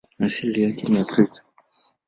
Asili yake ni Afrika.